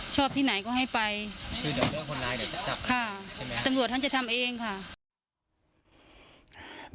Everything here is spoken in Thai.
ชอบที่ไหนก็ให้ไปค่ะตำรวจท่านจะทำเองค่ะ